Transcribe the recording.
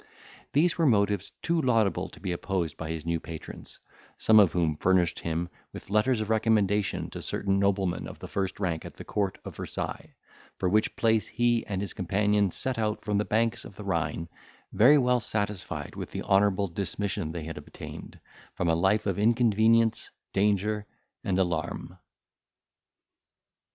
These were motives too laudable to be opposed by his new patrons, some of whom furnished him with letters of recommendation to certain noblemen of the first rank at the court of Versailles, for which place he and his companion set out from the banks of the Rhine, very well satisfied with the honourable dismission they had obtained from a life of inconvenience, danger, and alarm.